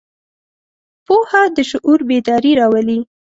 پوهه د شعور بیداري راولي.